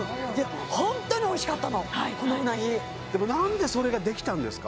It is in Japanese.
ホントにおいしかったのこのうなぎでも何でそれができたんですか？